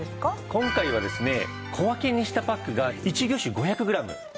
今回はですね小分けにしたパックが１魚種５００グラム。